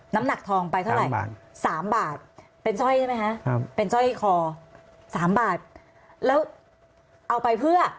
น้ำหนักทองไปเท่าไหร่๓บาทเป็นสร้อยใช่ไหมคะเป็นสร้อยคอสามบาทแล้วเอาไปเพื่อ